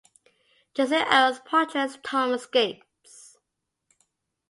Jason Earles portrays Thomas Gates.